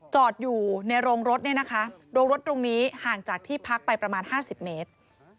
จอดอยู่ในโรงรถเนี่ยนะคะโรงรถตรงนี้ห่างจากที่พักไปประมาณ๕๐เมตร